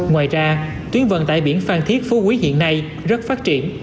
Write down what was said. ngoài ra tuyến vận tải biển phan thiết phú quý hiện nay rất phát triển